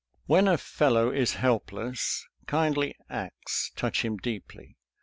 When a fellow is helpless kindly acts touch him deeply.